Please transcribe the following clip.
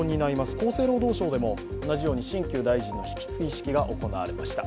厚生労働省でも同じように新旧大臣の引き継ぎ式が行われました。